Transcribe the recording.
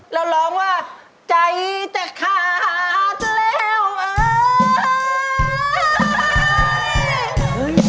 เราร้องว่าใจจะขาดแล้วเอ่ย